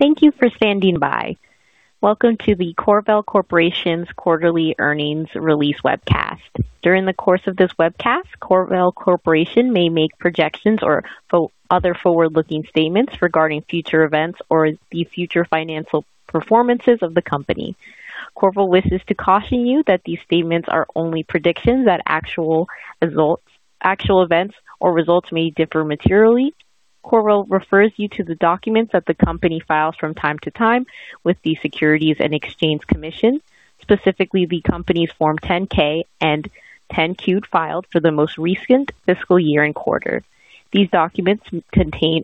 Thank you for standing by. Welcome to the CorVel Corporation's quarterly earnings release webcast. During the course of this webcast, CorVel Corporation may make projections or other forward-looking statements regarding future events or the future financial performances of the company. CorVel wishes to caution you that these statements are only predictions that actual events or results may differ materially. CorVel refers you to the documents that the company files from time to time with the Securities and Exchange Commission, specifically the company's Form 10-K and 10-Q files for the most recent fiscal year and quarter. These documents contain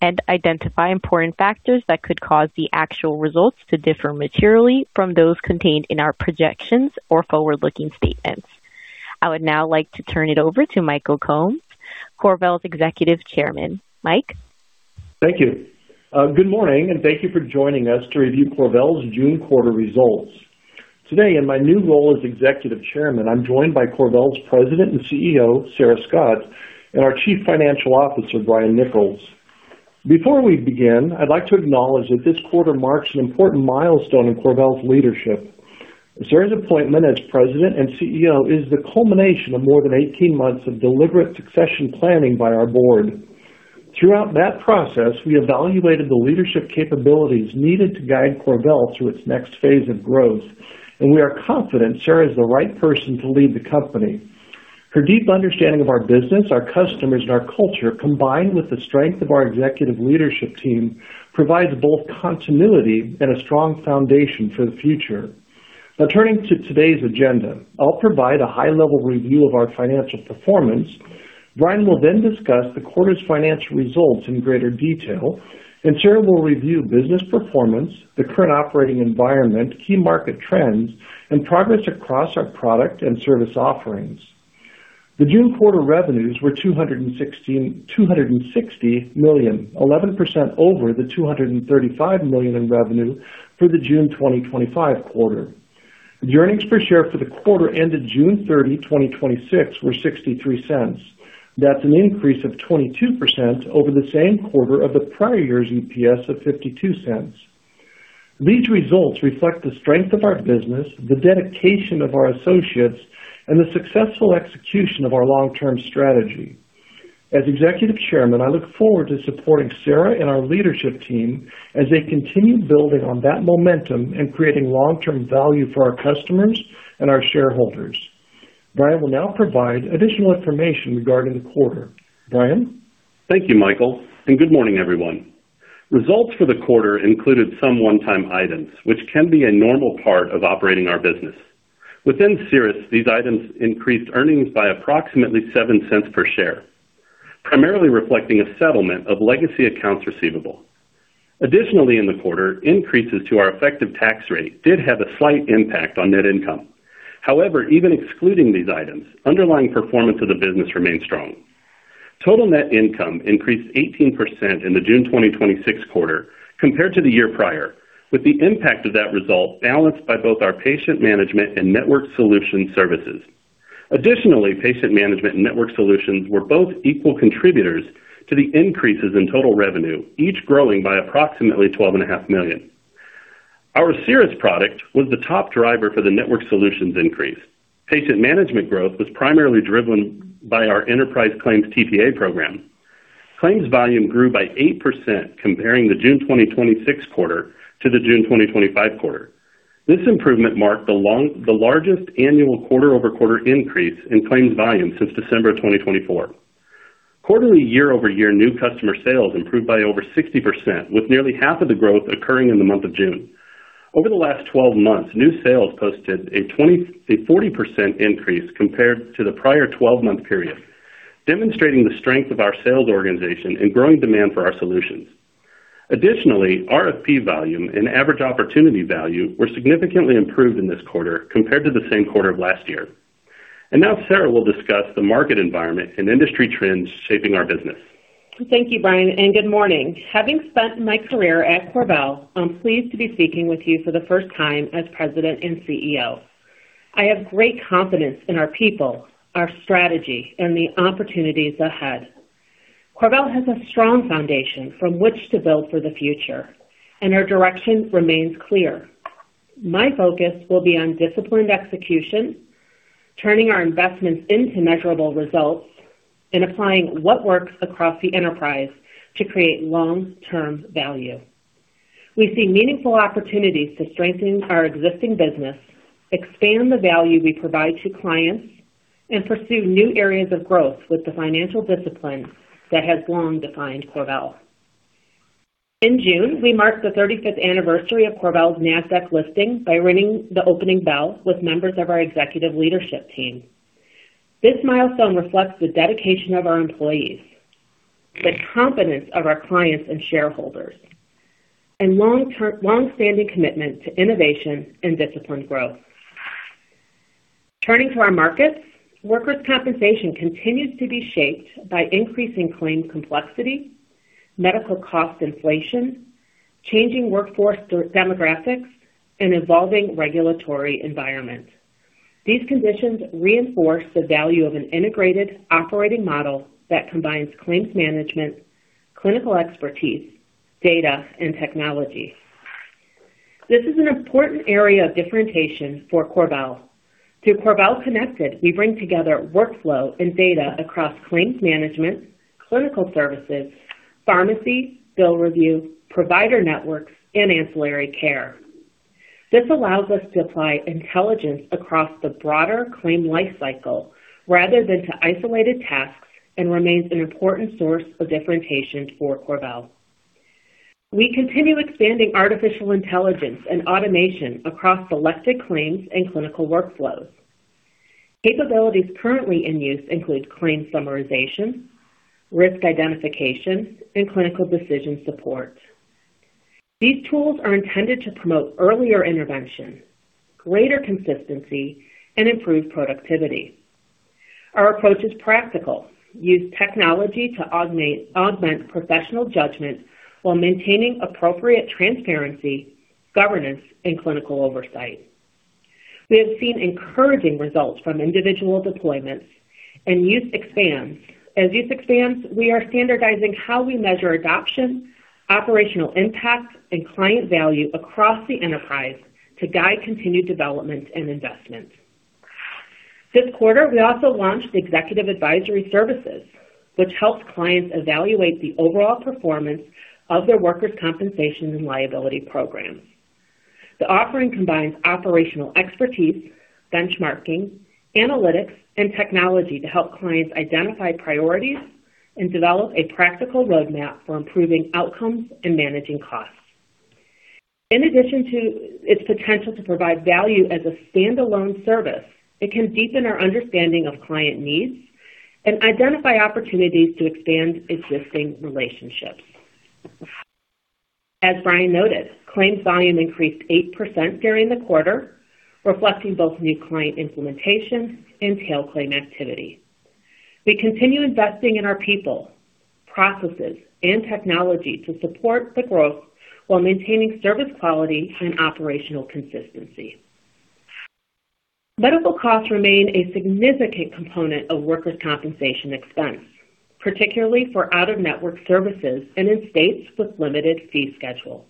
and identify important factors that could cause the actual results to differ materially from those contained in our projections or forward-looking statements. I would now like to turn it over to Michael Combs, CorVel's Executive Chairman. Mike? Thank you. Good morning, and thank you for joining us to review CorVel's June quarter results. Today, in my new role as Executive Chairman, I am joined by CorVel's President and CEO, Sarah Scott, and our Chief Financial Officer, Brian Nichols. Before we begin, I would like to acknowledge that this quarter marks an important milestone in CorVel's leadership. Sarah's appointment as President and CEO is the culmination of more than 18 months of deliberate succession planning by our Board. Throughout that process, we evaluated the leadership capabilities needed to guide CorVel through its next phase of growth, and we are confident Sarah is the right person to lead the company. Her deep understanding of our business, our customers, and our culture, combined with the strength of our executive leadership team, provides both continuity and a strong foundation for the future. Turning to today's agenda, I'll provide a high-level review of our financial performance. Brian will discuss the quarter's financial results in greater detail, Sarah will review business performance, the current operating environment, key market trends, and progress across our product and service offerings. The June quarter revenues were $260 million, 11% over the $235 million in revenue for the June 2025 quarter. The earnings per share for the quarter ended June 30, 2026, were $0.63. That's an increase of 22% over the same quarter of the prior year's EPS of $0.52. These results reflect the strength of our business, the dedication of our associates, and the successful execution of our long-term strategy. As Executive Chairman, I look forward to supporting Sarah and our leadership team as they continue building on that momentum and creating long-term value for our customers and our shareholders. Brian will now provide additional information regarding the quarter. Brian? Thank you, Michael. Good morning, everyone. Results for the quarter included some one-time items, which can be a normal part of operating our business. Within CERIS, these items increased earnings by approximately $0.07 per share, primarily reflecting a settlement of legacy accounts receivable. In the quarter, increases to our effective tax rate did have a slight impact on net income. Even excluding these items, underlying performance of the business remained strong. Total net income increased 18% in the June 2026 quarter compared to the year prior, with the impact of that result balanced by both our Patient Management and Network Solutions services. Patient Management and Network Solutions were both equal contributors to the increases in total revenue, each growing by approximately $12.5 million. Our CERIS product was the top driver for the Network Solutions increase. Patient Management growth was primarily driven by our enterprise claims TPA program. Claims volume grew by 8% comparing the June 2026 quarter to the June 2025 quarter. This improvement marked the largest annual quarter-over-quarter increase in claims volume since December 2024. Quarterly year-over-year new customer sales improved by over 60%, with nearly half of the growth occurring in the month of June. Over the last 12 months, new sales posted a 40% increase compared to the prior 12-month period, demonstrating the strength of our sales organization and growing demand for our solutions. RFP volume and average opportunity value were significantly improved in this quarter compared to the same quarter of last year. Sarah will discuss the market environment and industry trends shaping our business. Thank you, Brian. Good morning. Having spent my career at CorVel, I'm pleased to be speaking with you for the first time as President and CEO. I have great confidence in our people, our strategy, and the opportunities ahead. CorVel has a strong foundation from which to build for the future. Our direction remains clear. My focus will be on disciplined execution, turning our investments into measurable results, applying what works across the enterprise to create long-term value. We see meaningful opportunities to strengthen our existing business, expand the value we provide to clients, pursue new areas of growth with the financial discipline that has long defined CorVel. In June, we marked the 35th anniversary of CorVel's Nasdaq listing by ringing the opening bell with members of our executive leadership team. This milestone reflects the dedication of our employees, the confidence of our clients and shareholders, long-standing commitment to innovation and disciplined growth. Turning to our markets, workers' compensation continues to be shaped by increasing claim complexity, medical cost inflation, changing workforce demographics, evolving regulatory environments. These conditions reinforce the value of an integrated operating model that combines claims management, clinical expertise, data, technology. This is an important area of differentiation for CorVel. Through CorVel Connected, we bring together workflow and data across claims management, clinical services, pharmacy, bill review, provider networks, ancillary care. This allows us to apply intelligence across the broader claim lifecycle rather than to isolated tasks. Remains an important source of differentiation for CorVel. We continue expanding artificial intelligence and automation across selected claims and clinical workflows. Capabilities currently in use include claims summarization, risk identification, and clinical decision support. These tools are intended to promote earlier intervention, greater consistency, and improved productivity. Our approach is practical, use technology to augment professional judgment while maintaining appropriate transparency, governance, and clinical oversight. We have seen encouraging results from individual deployments. As use expands, we are standardizing how we measure adoption, operational impact, and client value across the enterprise to guide continued development and investment. This quarter, we also launched Executive Advisory Services, which helps clients evaluate the overall performance of their workers' compensation and liability programs. The offering combines operational expertise, benchmarking, analytics, and technology to help clients identify priorities and develop a practical roadmap for improving outcomes and managing costs. In addition to its potential to provide value as a standalone service, it can deepen our understanding of client needs and identify opportunities to expand existing relationships. As Brian noted, claims volume increased 8% during the quarter, reflecting both new client implementation and tail claim activity. We continue investing in our people, processes, and technology to support the growth while maintaining service quality and operational consistency. Medical costs remain a significant component of workers' compensation expense, particularly for out-of-network services and in states with limited fee schedules.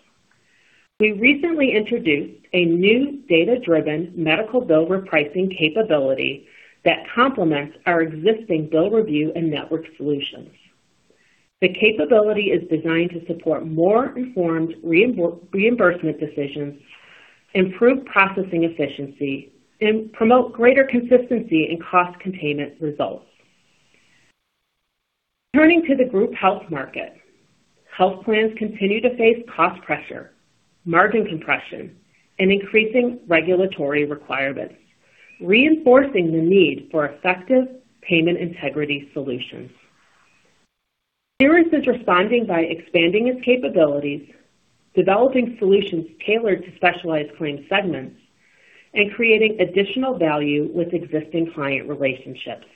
We recently introduced a new data-driven medical bill repricing capability that complements our existing bill review and Network Solutions. The capability is designed to support more informed reimbursement decisions, improve processing efficiency, and promote greater consistency in cost containment results. Turning to the group health market. Health plans continue to face cost pressure, margin compression, and increasing regulatory requirements, reinforcing the need for effective payment integrity solutions. CERIS is responding by expanding its capabilities, developing solutions tailored to specialized claim segments, and creating additional value with existing client relationships.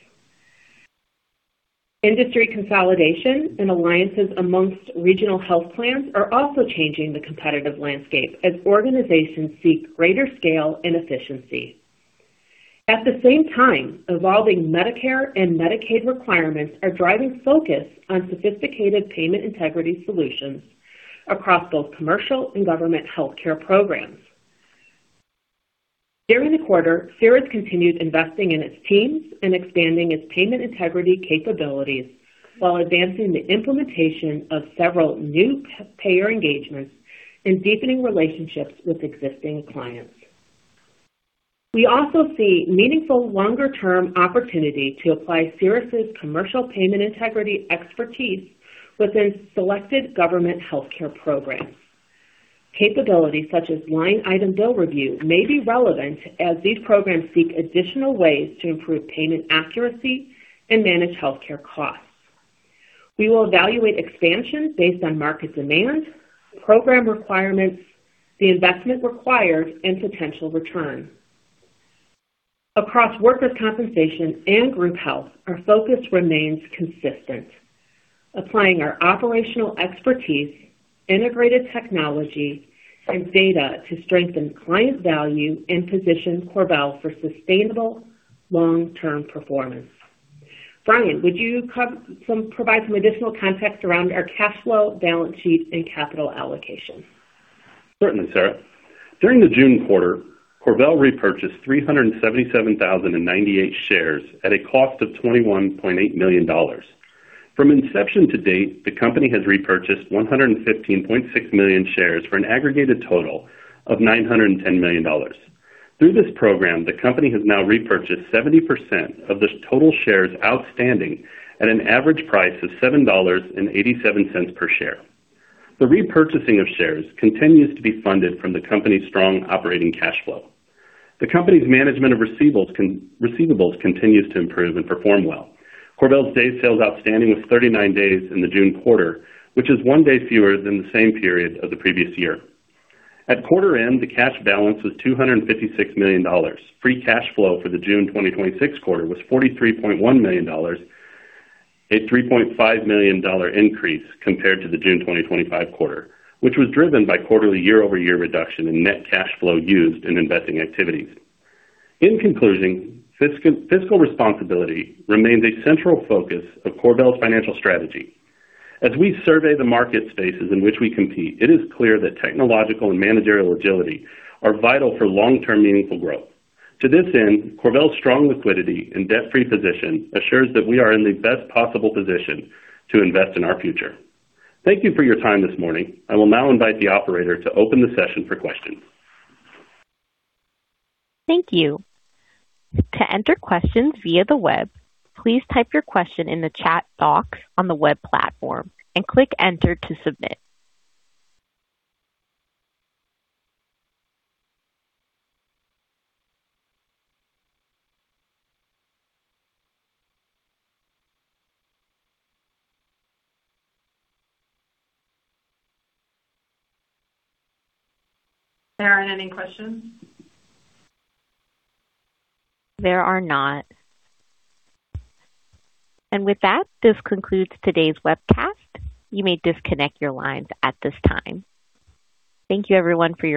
Industry consolidation and alliances amongst regional health plans are also changing the competitive landscape as organizations seek greater scale and efficiency. At the same time, evolving Medicare and Medicaid requirements are driving focus on sophisticated payment integrity solutions across both commercial and government healthcare programs. During the quarter, CERIS continued investing in its teams and expanding its payment integrity capabilities while advancing the implementation of several new payer engagements and deepening relationships with existing clients. We also see meaningful longer-term opportunity to apply CERIS' commercial payment integrity expertise within selected government healthcare programs. Capabilities such as line-item bill review may be relevant as these programs seek additional ways to improve payment accuracy and manage healthcare costs. We will evaluate expansion based on market demand, program requirements, the investment required, and potential return. Across workers' compensation and group health, our focus remains consistent, applying our operational expertise, integrated technology, and data to strengthen client value and position CorVel for sustainable long-term performance. Brian, would you provide some additional context around our cash flow, balance sheet, and capital allocation? Certainly, Sarah. During the June quarter, CorVel repurchased 377,098 shares at a cost of $21.8 million. From inception to date, the company has repurchased 115.6 million shares for an aggregated total of $910 million. Through this program, the company has now repurchased 70% of the total shares outstanding at an average price of $7.87 per share. The repurchasing of shares continues to be funded from the company's strong operating cash flow. The company's management of receivables continues to improve and perform well. CorVel's day sales outstanding was 39 days in the June quarter, which is one day fewer than the same period of the previous year. At quarter end, the cash balance was $256 million. Free cash flow for the June 2026 quarter was $43.1 million, a $3.5 million increase compared to the June 2025 quarter, which was driven by quarterly year-over-year reduction in net cash flow used in investing activities. In conclusion, fiscal responsibility remains a central focus of CorVel's financial strategy. As we survey the market spaces in which we compete, it is clear that technological and managerial agility are vital for long-term meaningful growth. To this end, CorVel's strong liquidity and debt-free position assures that we are in the best possible position to invest in our future. Thank you for your time this morning. I will now invite the operator to open the session for questions. Thank you. To enter questions via the web, please type your question in the chat box on the web platform and click enter to submit. Are there, any questions? There are not. With that, this concludes today's webcast. You may disconnect your lines at this time.